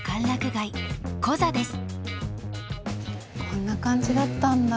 こんな感じだったんだ。